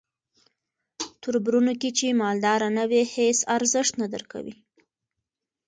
توربرونو کې چې مالداره نه وې هیس ارزښت نه درکوي.